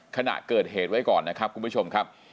ขณะเกิดเหตุไว้ก่อนนะครับคุณผู้ชมครับ